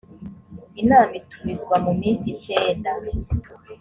inama itumizwa mu minsi icyenda